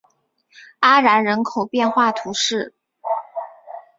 阿然人口变化图示